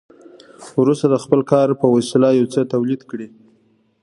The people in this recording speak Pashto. وروسته د خپل کار په وسیله یو څه تولید کړي